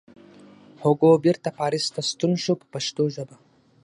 هوګو بېرته پاریس ته ستون شو په پښتو ژبه.